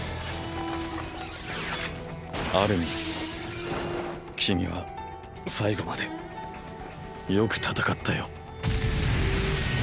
アルミン君は最期までよく戦ったよ。